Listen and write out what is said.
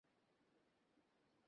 এর মানে অনেক কিছুই।